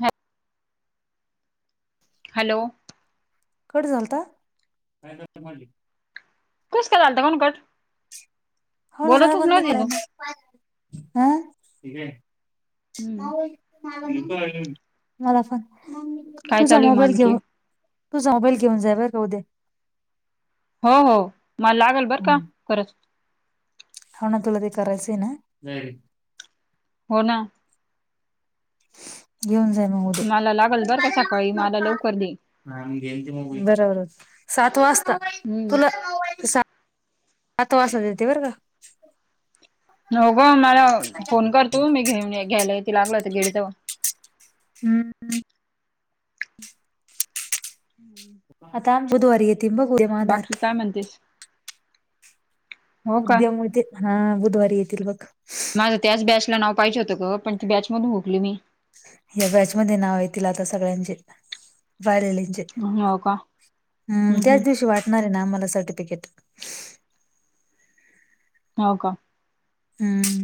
हॅ hello. Cut झालता? कसं काय झालता म्हणू कट? हो ना मला बोलतच पण नाय नव्हती तू कळना हा. हम्म [unintelligible] मला पण काय तुझा चालू आहे मग मोबाईल आणखी घेऊ, तुझा मोबाईल घेऊन जाय बर का उद्या. हो हो मला लागल बरं का परत. हाव ना तुला ते करायचय ना? हो ना. घेऊन जाय. मग उद्या मला लागल बरं का सकाळी मला लवकर दे. बर बर सात वाजता हम्म तुला सात वाजता देते बर का. हो ग मला फोन कर तु मी घेऊन घ्यायला येते लागल तर गेली तेव्हा. हम्म. हम्म. आता बुधवारी येतीन बघ महादार. काय म्हणतीस? उद्यम ते हा बुधवारी येतील बघ. माझं त्याच बॅचला नाव पाहिजे होतं ग पण ती बॅचमधून हुकली मी. या बॅचमध्ये नाव येतील आता सगळ्यांचे राहिलेल्यांचे. हो का हम्म, त्याच दिवशी वाटणार आय ना आम्हाला सर्टिफिकेट. हाव का? हम्म.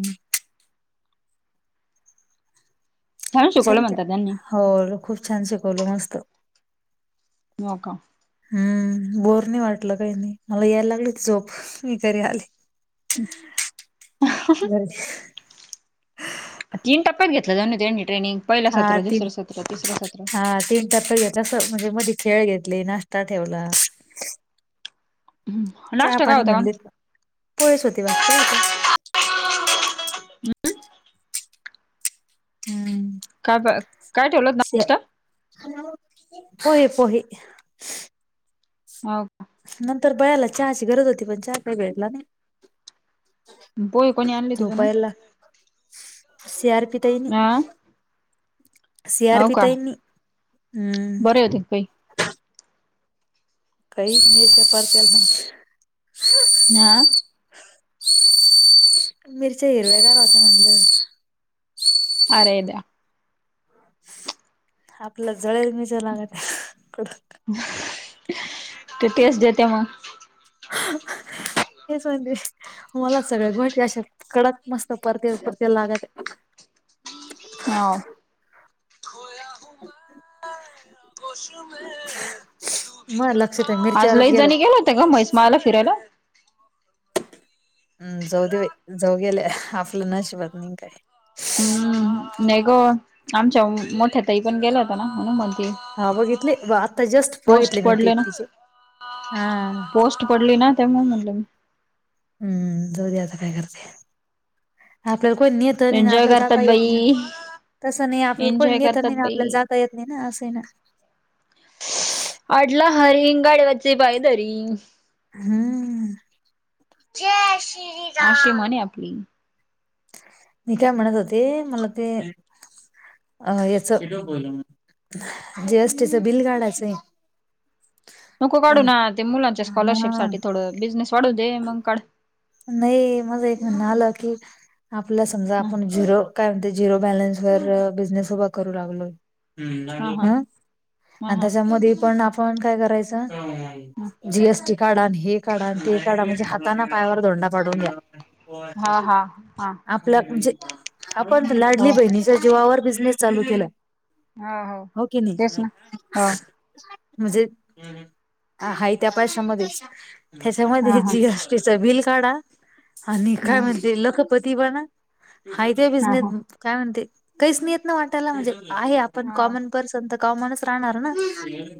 छान शिकवलं म्हणाता त्यांनी? हो खूप छान शिकवल मस्त. हो का? हम्म, बोर नाय वाटलं काय नाही मला यायला होती लागली झोप मी घरी आले. [unintelligible] तीन टप्प्यात घेतलं त्यांनी ट्रेनिंग पहिलं हा सत्र, दुसरं सत्र, तिसर सत्र. त्यात तस म्हणजे मधे खेळ घेतले नाष्टा ठेवला. हम्म. चहा नाश्ता काय पाणी होता म्हणलेत पोहेच होते बाकी काय होते. हम्म. 'काय ग' काय ठेवलत नाव? पोहे पोहे हो का नंतर बयाला चहाची गरज होती, पण चहाच काही भेटला नाही पोहे कोणी आणले होते बनवून झोपायला, सी आर पी ताईनी, हा सि आर हो पी का ताईनी हम्म [unintelligible] [inaudible] आ मिरच्या हिरव्यागार होत्या म्हणलं. अरे द्या [unintelligible] आपल्या जळेल मिरच्या लागत्या. ते, टेस्ट देते मग [unintelligible] हेच म्हणते, मला सगळ्या गोष्टी अशा कडक मस्त परते परते लागत्या‌ होव. मग लक्षात आहे आज मिरच्यावरच लईच गेलं जणी गेल्या होत्या का ग, म्हैसू माला फिरायला हम् ''जाऊ दे बाई'', जाऊ गेल्या आपलं नशिबात नाही काही. नाही ग, आमच्या मोठ्या ताई पण गेल्या होत्या ना हा बघितली, आता जस्ट पोस्ट बघितले मी पडले पीक ना तिचे, हा पोस्ट पडली ना, ''त्यामुळे म्हणले मी'' हम्म--जाऊदे आता काय करायचं, आता कोण ने तरी ना, एन्जॉय आपल्या जाता करतात येत नाही, बाई तसं नाही आपला कोण एन्जॉय नेत नाही, करतात आपल्या बाई जाता येत नाही. आहे ना अस आहे ना ''अडला हरी गाडवाचे पाय धरी'' हम् ''जय श्री राम'' अशी म्हणे आपली मी, 'काय म्हणत होते', मला ते अ यच--'जीएसटीचं बिल काढायचंय'. ''नको काढू पण ना'', ते मुलांच्या हा स्कॉलरशिप साठी थोडं बिझनेस वाढू दे, मग काढ. नाही माझं एक म्हण आलं की, आपल्या समजा ह आपण झिरो का झिरो बैलेंस वर बिझनेस उभा करू लागलो. हा हा हम--आणि ह त्याच्यामध्ये पण आपण काय करायच? ''जीएसटी काढा'' हे काढा अन ते काढा, म्हणजे हाताने पायावर ''धोंडा पाडून हा घ्या'' हा हा हा आपलं म्हणजे आपण त हो लाडली बहिणीच्या जीवावर बिझनेस चालू केला. हो हो हाव, की नाही? तेच ना हो म्हणजे, हा त्या पैशामध्येच हा त्याच्यामध्ये हा जी तिच बिल काढा, आणि ह काय म्हणजे लखपती बणााय हा ''बिनेस हा काय म्हणते''? काहीच नाहीे येत ना वाटायला म्हणजे, ''आहे आपण हा कॉमन'' पर्संत, कॉमनच राहणार ना!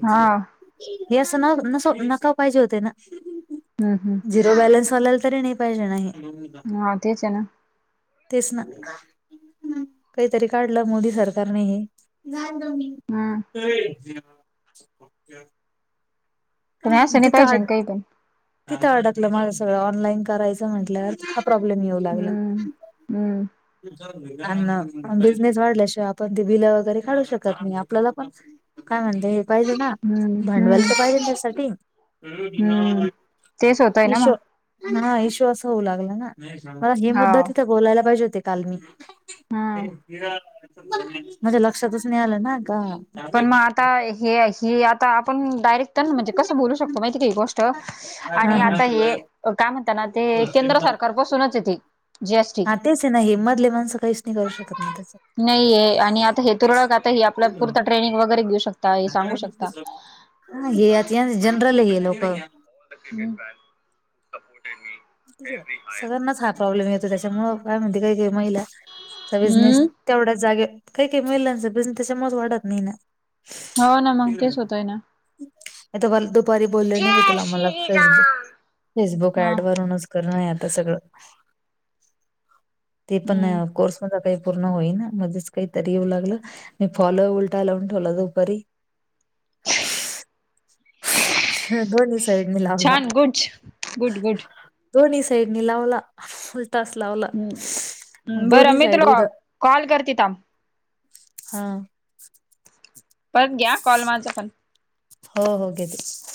हा हे असं नस नका पाहिजे होते ना, हम् हम् झिरो बॅलन्स वाल्याल तरी नाही पाहिजे ना हे, हा तेच हे ना. तेच ना! काहीतरी काढलं मोदी सरकारने हे. हू! ते! पण असं नाही तिथं आ पाहिजे ना काही पण तिथं अडकलं माझ सगळं ऑनलाईन करायचं म्हटल्यावर. प्रॉब्लेम येऊ लागला. हम्म हम्म आन बिजनेस वाढल्याशिवाय, आपण ते बिल वगैरे काढू शकत नाही आपल्याला पण. काय म्हणत हे पाहिजे ना, हम्म भांडवल त हम्म पाहिजे नां त्याचसाठी. हम्म तेच होतय ना वीश मग हा ईशवास होऊ लागला नां. हं हे हो मुद्दा तिथं बोलायला पाहिजे होते काल मी. हम्म मझ्या लक्षातच नही आलं ना का. पन मं आता हे ही आता आपण डायरेक्ट. त्यांना म्हणजे कसं बोलू शकतो माहिती का ही गोष्ट हा आणि आता हे हा काय म्हणता ना ते केंद्र सरकार पसूनच हे ते. जी एस टी हा तेच आहे ना हे मधले माणसं काहीच नाही करू शकत ना त्याच नही हे आणि आता हे तुरळक आत आता हे आपला पुरतां ट्रेनिंग वैगरे घेऊ शकता हे सांगू शकता. हे यात याने जनरल हे लोक. [unintelligible] सगळ्यांनाच हा प्रॉब्लेम येतो, त्याच्यामुळं काय म्हणते काही काही महिला चा बिझनेस हम्म तेवढ्या जागे, काही काही महिलांचा बिझनेस त्याच्यामुळंच वाढत नही ना. हो ना मग तेच होतय ना [unintelligible] पारी बोलले नही का तुला मला फेसबुक, फेसबुक हा ॲड करूनच करनं नही आता सगळं ते पण नाही हम्म अ कोर्स काही पूर्ण होईना मध्येच काही तरी येऊ लागलं, मी फॉलअ उलटा लावून ठेवला दुपारी. [inaudible] ह दोन्ही साईडनी लावला. छान गुड गुड गुड दोन्ही साईडनी लावला. तास लावला न बरं दोन्ही मी साईड उद तुला कॉल करते थांब हा! परत घ्या कॉल माझं पण. हो हो घेते.